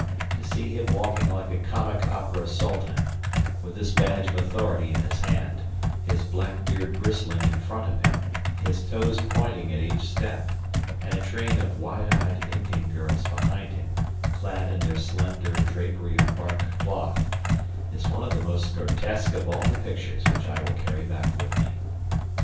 To see him walking like a comic opera Sultan, with this badge of authority in his hand, his black beard bristling in front of him, his toes pointing at each step, and a train of wide eyed Indian girls behind him, clad in their slender drapery of bark cloth, is one of the most grotesque of all the pictures which I will carry back with me.